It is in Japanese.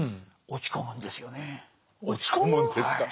落ち込むんですか。